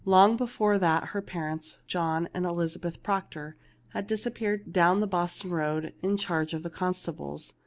Long before that her parents, John and Elizabeth Proctor, had disappeared down the Boston road in charge of the constables.